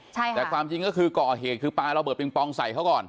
ใช่ค่ะแต่ความจริงก็คือก่อเหตุคือปลาระเบิงปองใส่เขาก่อน